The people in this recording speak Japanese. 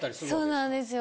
そうなんですよ